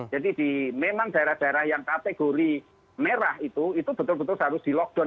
jadi memang daerah daerah yang kategori merah itu itu betul betul harus di lockdown